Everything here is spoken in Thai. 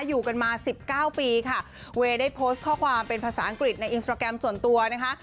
อยู่กันมาสิบเก้าปีค่ะเวย์ได้โพสต์ข้อความเป็นภาษาอังกฤษในอินสตราแกรมส่วนตัวนะคะ